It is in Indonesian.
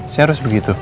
saya harus begitu